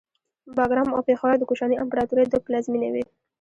باګرام او پیښور د کوشاني امپراتورۍ دوه پلازمینې وې